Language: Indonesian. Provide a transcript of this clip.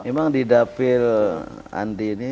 memang di dapil andi ini